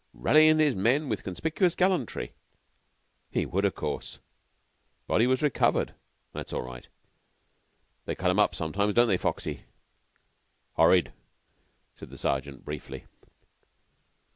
'Rallyin' his men with conspicuous gallantry.' He would, of course. 'The body was recovered.' That's all right. They cut 'em up sometimes, don't they, Foxy?" "Horrid," said the sergeant briefly.